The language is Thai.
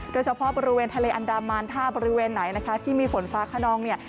โดยเฉพาะบริเวณทะเลอันดามันถ้าบริเวณไหนนะคะที่มีฝนฟ้าขนองเนี่ย